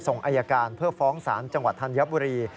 ส่งอายการเพื่อฟ้องศาลจังหวัดธัญบุรี